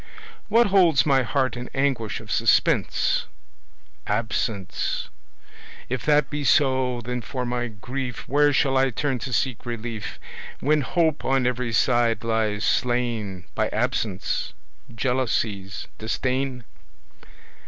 What holds my heart in anguish of suspense? Absence. If that be so, then for my grief Where shall I turn to seek relief, When hope on every side lies slain By Absence, Jealousies, Disdain?